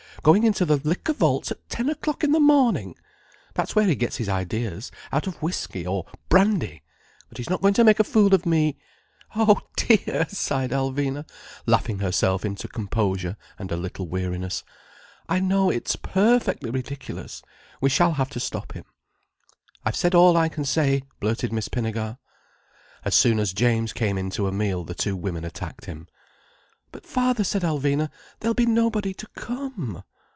Going into the Liquor Vaults at ten o'clock in the morning! That's where he gets his ideas—out of whiskey—or brandy! But he's not going to make a fool of me—" "Oh dear!" sighed Alvina, laughing herself into composure and a little weariness. "I know it's perfectly ridiculous. We shall have to stop him." "I've said all I can say," blurted Miss Pinnegar. As soon as James came in to a meal, the two women attacked him. "But father," said Alvina, "there'll be nobody to come."